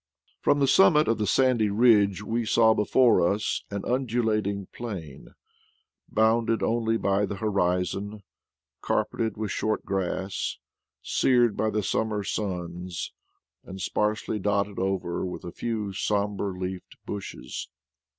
From the summit of the sandy ridge we saw before us an undulating plain, bounded only by the horizon, carpeted with short grass, seared by the summer suns, and sparsely dotted over with a few somber leafed bushes.